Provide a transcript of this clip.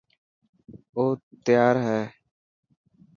او تيار هي.